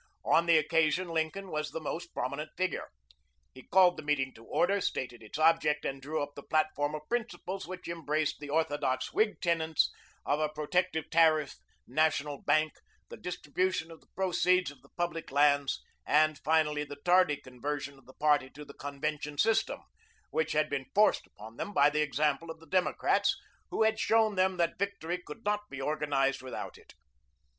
On this occasion Lincoln was the most prominent figure. He called the meeting to order, stated its object, and drew up the platform of principles, which embraced the orthodox Whig tenets of a protective tariff, national bank, the distribution of the proceeds of the public lands, and, finally, the tardy conversion of the party to the convention system, which had been forced upon them by the example of the Democrats, who had shown them that victory could not be organized without it.